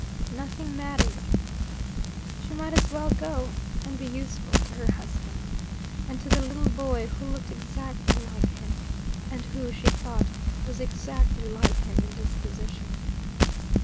Nothing mattered. She might as well go and be useful to her husband and to the little boy who looked exactly like him, and who, she thought, was exactly like him in disposition.